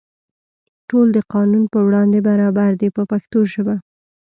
ټول د قانون په وړاندې برابر دي په پښتو ژبه.